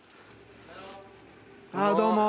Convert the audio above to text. あっどうも。